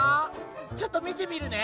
ちょっとみてみるね！